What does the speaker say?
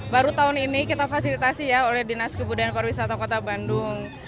baru tahun ini kita fasilitasi ya oleh dinas kebudayaan pariwisata kota bandung